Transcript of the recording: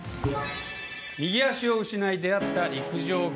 右足を失い、出会った陸上競技。